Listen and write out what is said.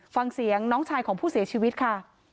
ฟังเสียงน้องชายของผู้เสียชีวิตค่ะ